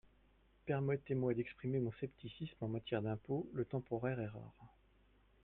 Permettez-moi d’exprimer mon scepticisme, en matière d’impôt, le temporaire est rare.